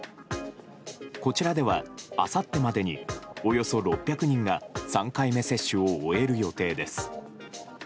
こちらでは、あさってまでにおよそ６００人が３回目接種を終える予定です。